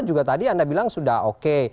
juga tadi anda bilang sudah oke